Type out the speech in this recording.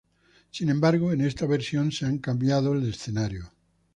Sin embargo, en esta versión se ha cambiado el escenario.